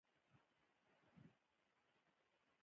که نه یې کړي، بیا به رضا کوم.